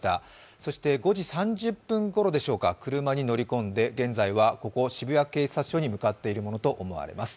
そして、５時３０分ごろでしょうか、車に乗り込んで現在はここ、渋谷警察署に向かっているものと思われます。